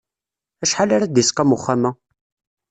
Acḥal ara yi-d-isqam uxxam-a?